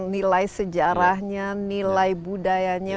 nilai sejarahnya nilai budayanya